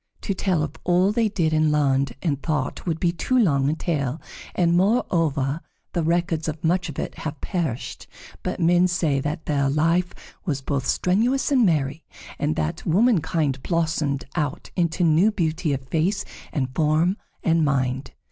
To tell of all they did and learned and thought would be too long a tale, and, moreover, the records of much of it have perished, but men say that their life was both strenuous and merry, and that womankind blossomed out into new beauty of face and form and mind.